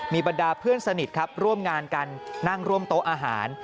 มีบรรดาเพื่อนสนิทครับร่วมงานกันนั่งร่วมโต๊ะอาหาร